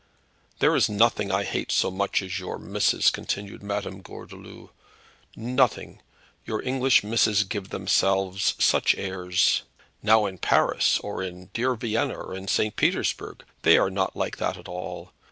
"There is noting I hate so much as your meesses," continued Madame Gordeloup; "noting! Your English meesses give themselves such airs. Now in Paris, or in dear Vienna, or in St. Petersburg, they are not like that at all.